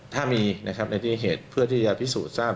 ถ้ามีนะครับในที่เหตุเพื่อที่จะพิสูจน์ทราบ